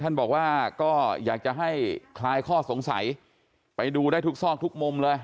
ท่านบอกว่าก็อยากจะให้คลายข้อสงสัยไปดูได้ทุกซอกทุกมุมเลย